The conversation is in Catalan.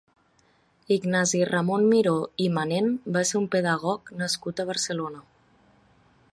Ignasi Ramon Miró i Manent va ser un pedagog nascut a Barcelona.